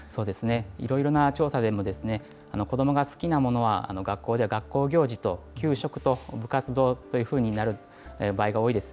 いろいろな調査でも、子どもが好きなものは、学校では学校行事と給食と部活動というふうになる場合が多いです。